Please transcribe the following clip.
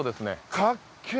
かっけえ